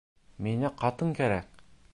Миңә ҡатын кәрәк!